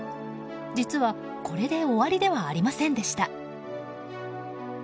実は、これで終わりではありませんでした。